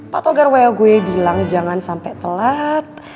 pak togar woi gue bilang jangan sampe telat